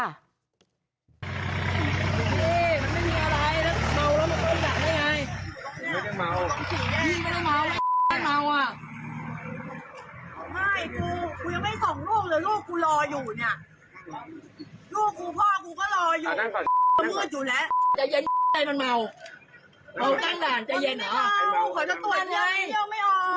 มันมืดอยู่แล้ว